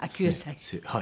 はい。